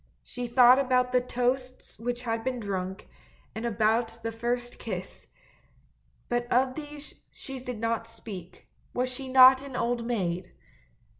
She thought about the toasts which had been drunk, and about the first kiss — but of these she did not speak, was she not an old maid!